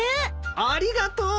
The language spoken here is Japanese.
ありがとう。